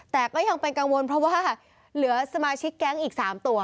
แต่ก็ยังเป็นกังวลเพราะว่าเหลือสมาชิกแก๊งอีก๓ตัว